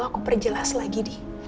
aku mau perjelas lagi di